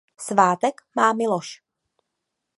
Svátek má Miloš.